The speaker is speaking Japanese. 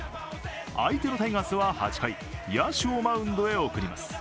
相手のタイガースは８回野手をマウンドに送ります。